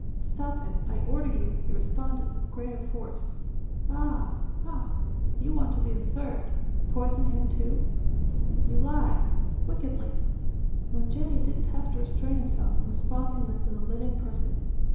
"Stop it! I order you!," he responded with greater force. "Ah! Ah! You want to be the third ... enjoying ... Poison him too?". "You lie! Wickedly!" Mongeri didn't have to restrain himself from responding like with a living person.